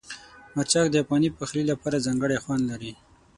مرچک د افغاني پخلي لپاره ځانګړی خوند لري.